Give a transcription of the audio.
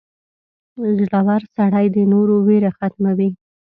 • زړور سړی د نورو ویره ختموي.